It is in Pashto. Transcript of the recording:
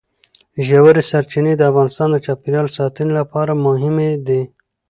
ژورې سرچینې د افغانستان د چاپیریال ساتنې لپاره مهمي دي.